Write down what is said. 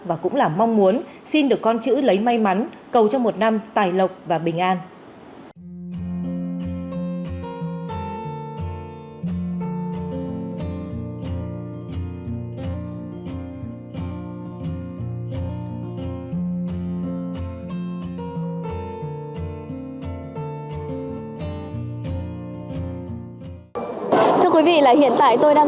và cũng là mong muốn xin được con chữ lấy may mắn cầu cho một năm tài lộc và bình an